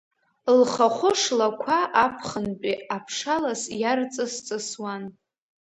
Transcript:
Лхахәы шлақәа аԥхынтәи аԥшалас иарҵыс-ҵысуан.